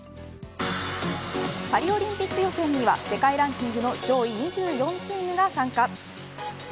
パリオリンピック予選には世界ランキングの上位２４チームが参加。